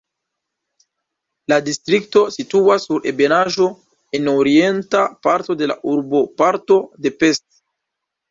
La distrikto situas sur ebenaĵo en orienta parto de urboparto de Pest.